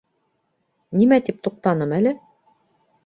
Нимә тип туҡтаным әле?